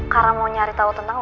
karena mau nyari tau tentang lo